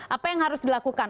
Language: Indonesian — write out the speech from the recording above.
apa yang harus dilakukan